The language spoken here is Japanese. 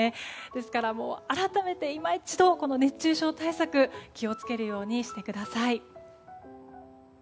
ですから、改めて今一度熱中症対策気を付けるようにしてください。